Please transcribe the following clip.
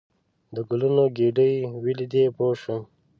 د ګلونو ګېدۍ ولیدې پوه شوم.